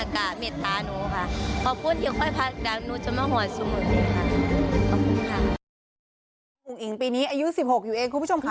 อุ๋งปีนี้อายุ๑๖อยู่เองคุณผู้ชมค่ะ